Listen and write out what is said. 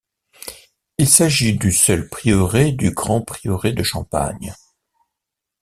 Il s'agit du seul prieuré du grand prieuré de Champagne.